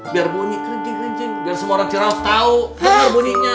biar bunyi kering kering biar semua orang cerah tau dengar bunyinya